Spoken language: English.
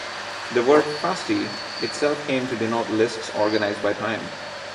The word "fasti" itself came to denote lists organized by time.